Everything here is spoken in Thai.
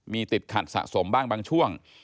มีติดขัดสะสมบ้างบางช่วง